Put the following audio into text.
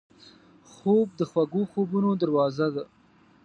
خوب د خوږو خوبونو دروازه ده